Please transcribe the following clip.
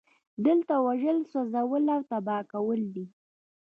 دلته وژل سوځول او تباه کول دي